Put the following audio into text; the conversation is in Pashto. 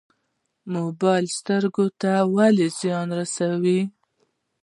موبایل سترګو ته ولې زیان رسوي؟